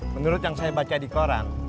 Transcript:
menurut yang saya baca di koran